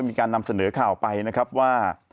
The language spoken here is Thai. มีการนำเสนอข่าวไปนะครับว่า